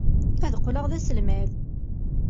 Ad qqleɣ d aselmad.